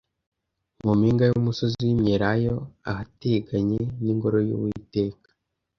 Mu mpinga y’umusozi w’Imyelayo, ahateganye n’Ingoro y’Uwiteka